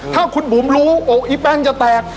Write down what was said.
ถ้าคุณบุ๋มรู้อกอีแป้งจะแตก